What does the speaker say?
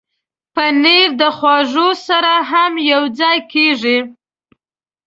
پنېر د خواږو سره هم یوځای کېږي.